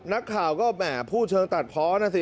นักข่าวก็แหมพูดเชิงตัดเพาะนะสิ